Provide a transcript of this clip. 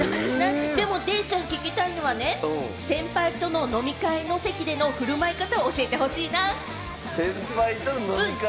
でも、デイちゃんが聞きたいのはね、先輩との飲み会の席での振る舞い方を教えてほしいな。